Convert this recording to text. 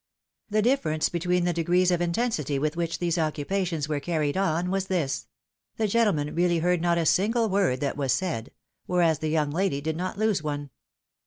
The difference between the degrees of intensity with which these occupations were carried on was this — the gentlemen really heard not a single word that was said ; whereas the young lady did not lose one.